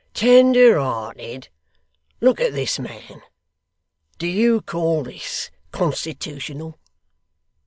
'Tender hearted! Look at this man. Do you call THIS constitootional?